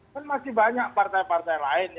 kan masih banyak partai partai lain yang bisa